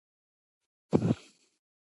د چرګ د سینې غوښه چټک فایبرونه لري.